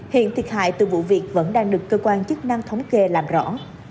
hiện thiệt hại từ vụ việc vẫn đang được cơ quan chức năng thống kê làm rõ